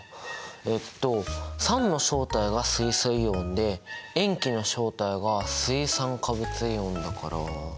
えっと酸の正体が水素イオンで塩基の正体が水酸化物イオンだから。